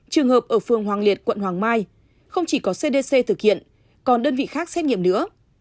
trường hợp ở phường hoàng liệt quận hoàng mai không chỉ có cdc thực hiện còn đơn vị khác xét nghiệm nữa